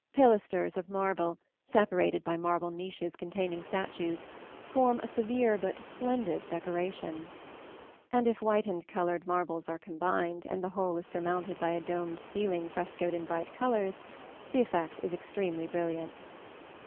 Pilasters of marble, separated by marble niches containing statues, form a severe but splendid decoration; and if white and colored marbles are combined, and the whole is surmounted by a domed ceiling frescoed in bright colors, the effect is extremely brilliant.